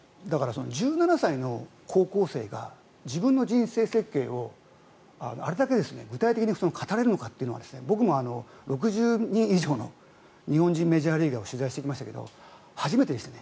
１７歳の高校生が自分の人生設計をあれだけ具体的に語れるのかというのは僕も６０人以上の日本人メジャーリーガーを取材してきましたけど初めてでしたね。